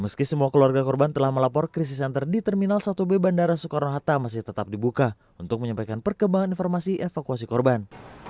meski semua keluarga korban telah melapor krisis center di terminal satu b bandara soekarno hatta masih tetap dibuka untuk menyampaikan perkembangan informasi evakuasi korban